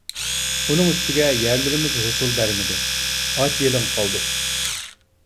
ئۇنىڭ ئۈستىگە، يەرلىرىمىز ھوسۇل بەرمىدى. ئاچ - يېلىڭ قالدۇق.